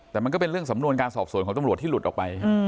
แต่มันก็เป็นเรื่องสำนวนการสอบสวนของตำรวจที่หลุดออกไป